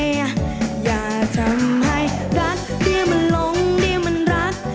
อย่าทำให้รักเดียมันลงเดียมันรัก